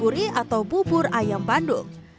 guri atau bubur ayam bandung